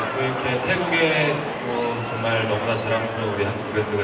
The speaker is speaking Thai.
เทวีเทแทกูกเอห์เอ้นสัรามส้รักจิมารัคูลรแวรัคูลแบรอสัรรัคูล